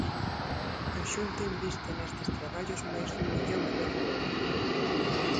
A Xunta inviste nestes traballos máis dun millón e medio de euros.